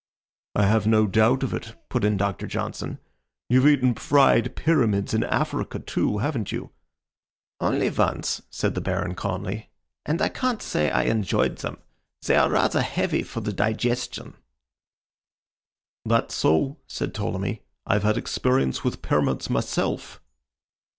"I have no doubt of it," put in Doctor Johnson. "You've eaten fried pyramids in Africa, too, haven't you?" "Only once," said the Baron, calmly. "And I can't say I enjoyed them. They are rather heavy for the digestion." "That's so," said Ptolemy. "I've had experience with pyramids myself."